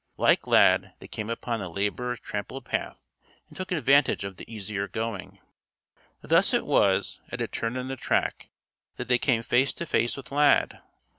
Like Lad, they came upon the laborer's trampled path and took advantage of the easier going. Thus it was, at a turn in the track, that they came face to face with Lad.